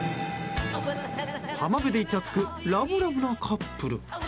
浜辺でイチャつくラブラブなカップル。